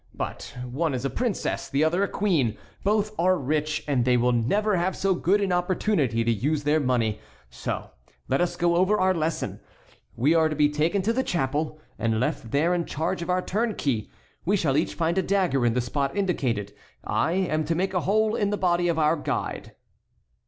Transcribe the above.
But one is a princess, the other a queen; both are rich, and they will never have so good an opportunity to use their money. Now let us go over our lesson. We are to be taken to the chapel, and left there in charge of our turnkey; we shall each find a dagger in the spot indicated. I am to make a hole in the body of our guide."